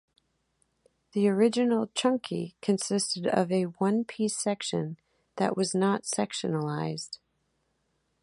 The original Chunky consisted of a one piece section that was not sectionalized.